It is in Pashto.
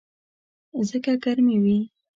ځکه ګرمي وي.